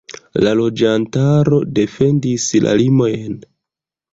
La loĝantaro defendis la limojn.